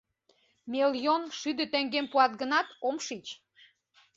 Мелйон шӱдӧ теҥгем пуат гынат, ом шич...